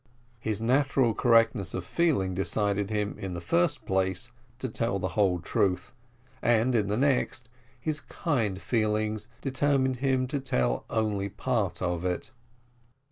His natural correctness of feeling decided him, in the first place, to tell the whole truth, and in the next, his kind feelings determined him to tell only part of it.